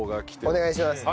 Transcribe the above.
お願いします。